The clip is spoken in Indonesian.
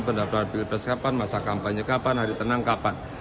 pendaftaran pilpres kapan masa kampanye kapan hari tenang kapan